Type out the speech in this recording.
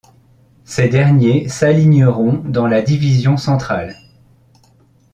Ces derniers s'aligneront dans la division centrale.